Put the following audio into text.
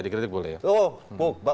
dikritik boleh ya